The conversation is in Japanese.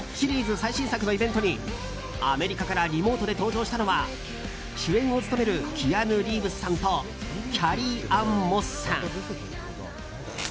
最新作のイベントにアメリカからリモートで登場したのは主演を務めるキアヌ・リーブスさんとキャリー・アン・モスさん。